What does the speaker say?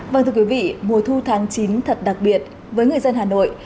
vâng thưa quý vị mùa thu tháng chín thật đặc biệt với người dân hà nội